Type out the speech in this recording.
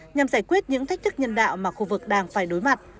nhằm giải quyết những thách thức nhân đạo mà khu vực đang phải đối mặt